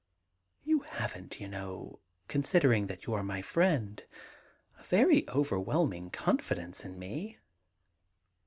* You haven't, you know, considering that you are my friend, a very overwhelming confidence in me.'